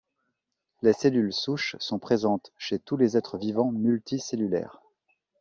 Les cellules souches sont présentes chez tous les êtres vivants multicellulaires.